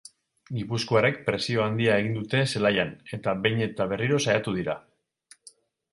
Gipuzkoarrek presio handia egin dute zelaian eta behin eta berriro saiatu dira.